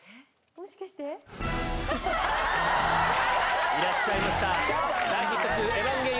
もしかして⁉いらっしゃいました。